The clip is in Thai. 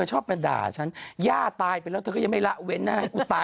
หิดละน้ำตาไหลเลยคิดถึงหย่า